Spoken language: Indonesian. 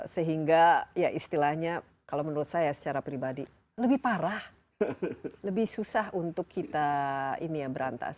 sehingga ya istilahnya kalau menurut saya secara pribadi lebih parah lebih susah untuk kita ini ya berantas